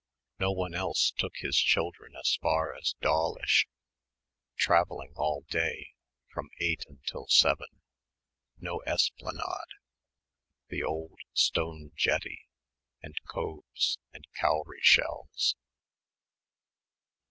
No one else took his children as far as Dawlish for the holidays, travelling all day, from eight until seven ... no esplanade, the old stone jetty and coves and cowrie shells....